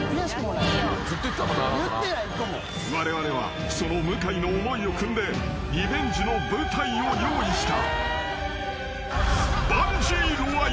［われわれはその向井の思いを酌んでリベンジの舞台を用意した］